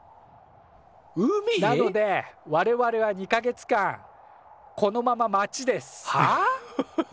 なので我々は２か月間このまま待ちです。